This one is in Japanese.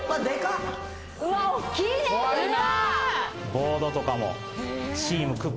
ボードとかも。